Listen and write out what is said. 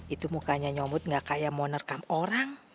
itu mukanya nyobut gak kayak mau nerekam orang